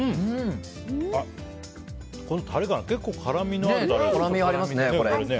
タレが結構辛みのあるタレですね。